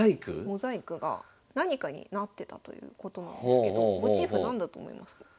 モザイクが何かになってたということなんですけどモチーフなんだと思いますか？